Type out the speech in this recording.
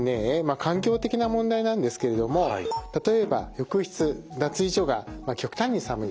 環境的な問題なんですけれども例えば浴室・脱衣所が極端に寒い。